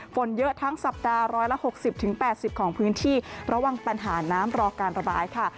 ฝนเยอะทั้งสัปดาห์๑๖๐๘๐ของพื้นที่ระวังปัญหาน้ำรอการระบายค่ะ